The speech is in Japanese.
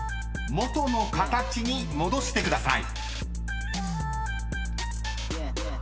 ［もとの形に戻してください］